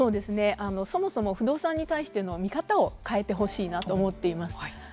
そもそも不動産に対しての見方を変えてほしいなと思っています。